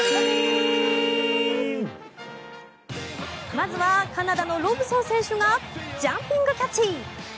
まずはカナダのロブソン選手がジャンピングキャッチ。